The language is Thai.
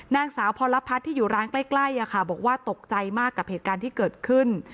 นางสาวพรพัฒน์ที่อยู่ร้านใกล้บอกว่าตกใจมากกับเหตุการณ์ที่เกิดขึ้น